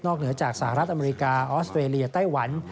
เหนือจากสหรัฐอเมริกาออสเตรเลียไต้หวัน